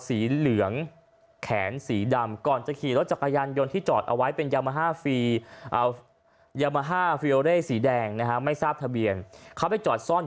สีเหลืองแขนสีดำก่อนจะขี่รถจากโกยันยนที่